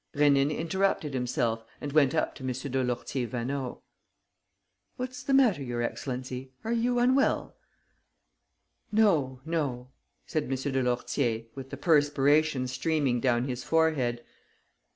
Rénine interrupted himself and went up to M. de Lourtier Vaneau: "What's the matter, your excellency? Are you unwell?" "No, no," said M. de Lourtier, with the perspiration streaming down his forehead.